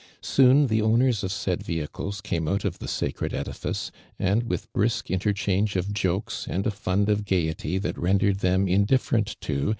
Soon the owners of said voliicles cnme out of tho sacreil etUHce ; and witli brisk inter change of jokes and a fund of gaiety that rendered tlicm indifferent to.